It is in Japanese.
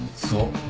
そう。